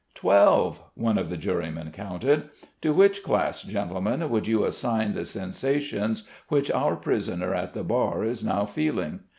"Twelve...." one of the jurymen counted. "To which class, gentlemen, would you assign the sensations which our prisoner at the bar is now feeling?